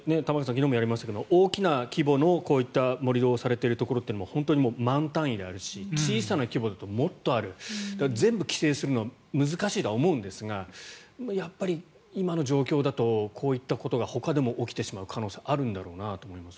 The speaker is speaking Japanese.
昨日もやりましたけど大きな規模のこういった盛り土をされているところは本当に万単位であるし小さな規模だともっとある全部規制するのは難しいとは思うんですがやっぱり、今の状況だとこういったことがほかでも起きてしまう可能性があるんだろうなと思います。